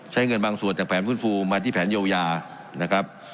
ใช้เงินบางส่วนจากแผนฟื้นฟูมาที่แผนเยียวยานะครับ